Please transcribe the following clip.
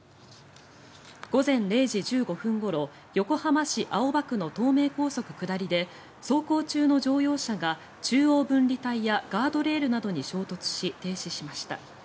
午前０時１５分ごろ横浜市青葉区の東名高速下りで走行中の乗用車が中央分離帯やガードレールなどに衝突し停止しました。